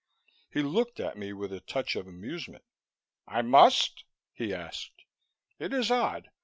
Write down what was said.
He looked at me with a touch of amusement. "I must?" he asked. "It is odd.